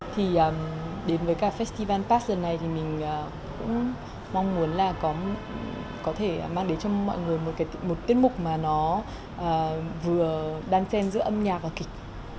thì đến với festival pass giờ này thì mình cũng mong muốn là có thể mang đến cho mọi người một tiết mục mà nó vừa đan xen giữa âm nhạc và kịch